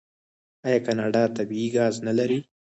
آیا کاناډا طبیعي ګاز نلري؟